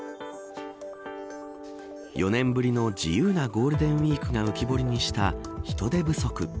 ４年ぶりの自由なゴールデンウイークが浮き彫りにした人手不足。